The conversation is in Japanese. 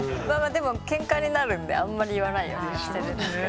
けんかになるんであんまり言わないようにはしてるんですけどね。